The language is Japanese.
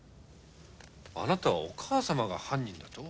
あなたはお母様が犯人だと？